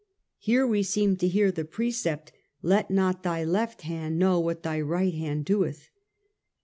Here we seem to hear the precept, ^ Let not thy left hand know what thy right hand doeth.